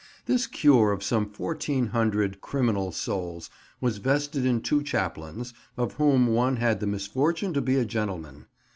This cure of some 1400 (criminal) souls was vested in two chaplains, of whom one had the misfortune to be a gentleman.